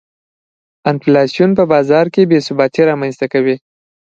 انفلاسیون په بازار کې بې ثباتي رامنځته کوي.